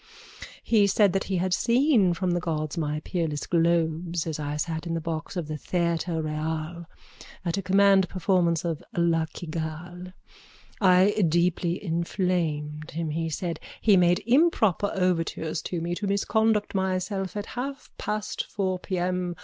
He said that he had seen from the gods my peerless globes as I sat in a box of the Theatre Royal at a command performance of La Cigale. I deeply inflamed him, he said. He made improper overtures to me to misconduct myself at half past four p.m.